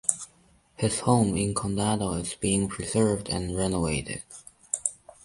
His home in Condado is being preserved and renovated.